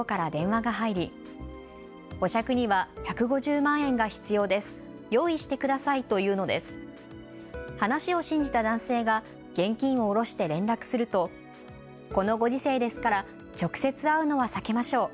話を信じた男性が現金を下ろして連絡すると、このご時世ですから直接、会うのは避けましょう。